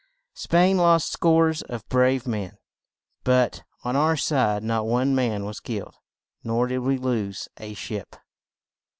Spain lost scores of brave men; but on our side not one man was killed, nor did we lose a ship.